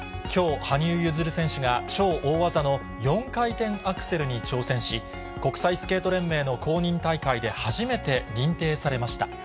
きょう、羽生結弦選手が超大技の４回転アクセルに挑戦し、国際スケート連盟の公認大会で初めて認定されました。